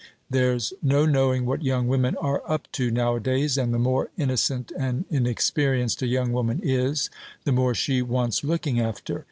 There's no knowing what young women are up to nowadays; and the more innocent and inexperienced a young woman is, the more she wants looking after.